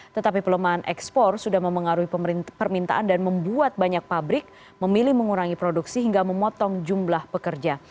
tetapi pelemahan ekspor sudah memengaruhi permintaan dan membuat banyak pabrik memilih mengurangi produksi hingga memotong jumlah pekerja